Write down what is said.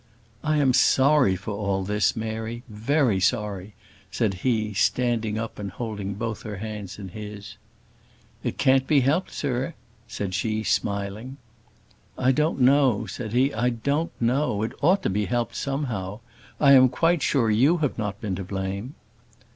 "I am sorry for all this, Mary; very sorry," said he, standing up, and holding both her hands in his. "It can't be helped, sir," said she, smiling. "I don't know," said he; "I don't know it ought to be helped somehow I am quite sure you have not been to blame."